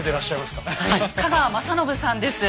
香川雅信さんです。